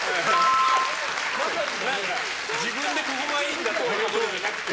自分でここがいいんだっていうんじゃなくて。